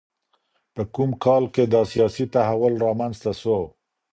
په کوم کال کي دا سياسي تحول رامنځته سو؟